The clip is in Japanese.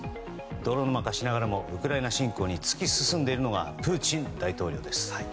泥沼化しながらもウクライナ侵攻に突き進んでいるのがプーチン大統領です。